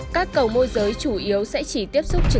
các cầu môi giới chủ yếu sẽ chỉ tiếp xúc trực